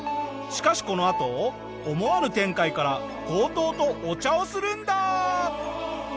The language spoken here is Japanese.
しかしこのあと思わぬ展開から強盗とお茶をするんだ。